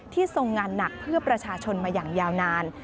ทรงงานหนักเพื่อประชาชนมาอย่างยาวนาน